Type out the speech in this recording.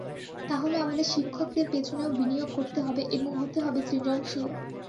তাহলে আমাদের শিক্ষকদের পেছনেও বিনিয়োগ করতে হবে এবং হতে হবে সৃজনশীল।